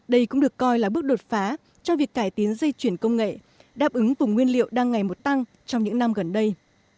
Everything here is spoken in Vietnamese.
đây cũng được coi là bước đột phá cho việc cải tiến dây chuyển công nghệ đáp ứng vùng nguyên liệu đang ngày một tăng trong những năm gần đây